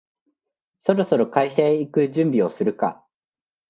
そろそろ会社へ行く準備をするか